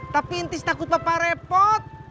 tapi intis takut papa repot